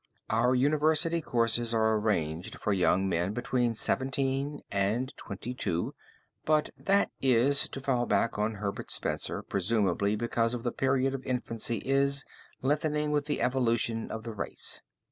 Our university courses are arranged for young men between 17 and 22, but that is, to fall back on Herbert Spencer, presumably because the period of infancy is lengthening with the evolution of the race.